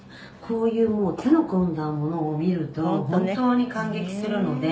「こういう手の込んだものを見ると本当に感激するので」